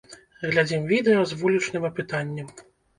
Глядзім відэа з вулічным апытаннем.